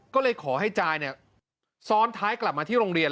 ก็เลยขอให้จายซ้อนท้ายกลับมาที่โรงเรียน